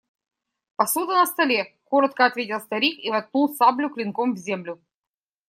Посуда на столе, – коротко ответил старик и воткнул саблю клинком в землю.